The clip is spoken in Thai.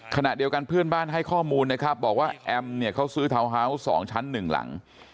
ขณะเดียวกันเพื่อนบ้านให้ข้อมูลนะครับบอกว่าแอมเนี่ยเขาซื้อทาวน์ฮาวส์๒ชั้น๑หลัง